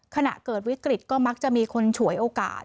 ขณะเกิดวิกฤตก็มักจะมีคนฉวยโอกาส